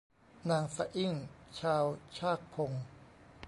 นางสะอิ้งชาวชากพง